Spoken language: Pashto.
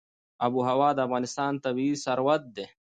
آب وهوا د افغانستان طبعي ثروت دی.